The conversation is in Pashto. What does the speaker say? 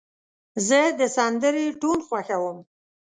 زه د سندرې ټون خوښوم.